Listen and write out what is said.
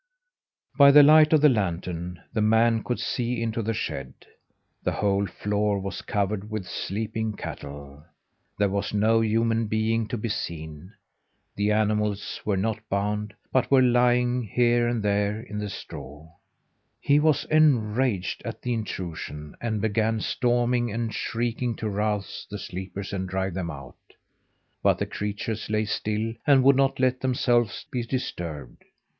By the light of the lantern the man could see into the shed. The whole floor was covered with sleeping cattle. There was no human being to be seen; the animals were not bound, but were lying, here and there, in the straw. He was enraged at the intrusion and began storming and shrieking to rouse the sleepers and drive them out. But the creatures lay still and would not let themselves be disturbed.